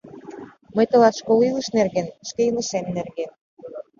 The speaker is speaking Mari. Мый тылат — школ илыш нерген, шке илышем нерген.